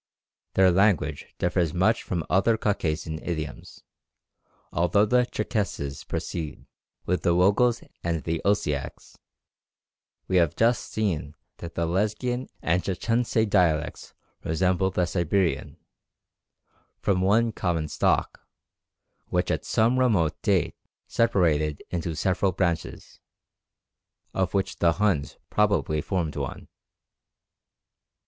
Their language differs much from other Caucasian idioms, although the Tcherkesses proceed, with the Wogouls and the Ostiakes we have just seen that the Lesghian and Tchetchentse dialects resemble the Siberian from one common stock, which at some remote date separated into several branches, of which the Huns probably formed one.